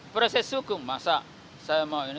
proses hukum masa saya mau ini